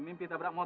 mimpi sabrak motor